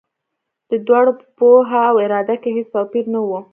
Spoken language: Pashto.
د دواړو په پوهه او اراده کې هېڅ توپیر نه و.